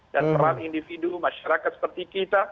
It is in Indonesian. dan peran individu masyarakat seperti kita